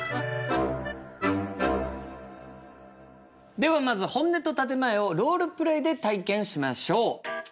ではまず「本音」と「建て前」をロールプレイで体験しましょう。